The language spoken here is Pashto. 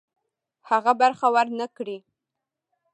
هغه برخه ورنه کړي.